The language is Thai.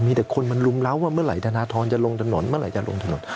มีแต่คนมันรุมเล้าว่าเมื่อไหร่ดนาทรจะลงถนน